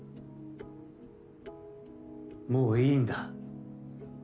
・もういいんだ。